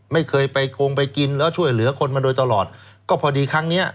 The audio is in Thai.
ไม่เคยไปโครงไปกินแล้วช่วยเหลือคนมาโดยตลอดก็พอดีครั้งเนี้ย